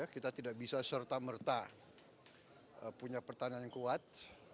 kita tidak bisa serta merta punya pertahanan yang kuat